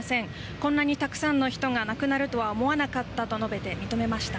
こんなにたくさんの人が亡くなるとは思わなかったと述べて認めました。